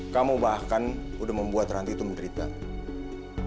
kamu bahkan udah membuat rantito menjerit banget